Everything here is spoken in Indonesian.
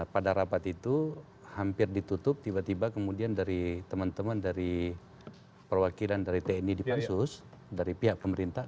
pada rapat itu hampir ditutup tiba tiba kemudian dari teman teman dari perwakilan dari tni di pansus dari pihak pemerintah